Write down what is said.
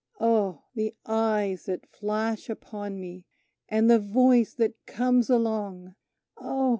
Oh! the eyes that flash upon me, and the voice that comes along Oh!